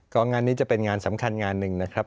ก็งานนี้จะเป็นงานสำคัญงานหนึ่งนะครับ